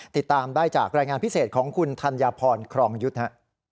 ติดตามได้จากรายงานพิเศษของคุณธัญพรครองยุทธ์ฮะ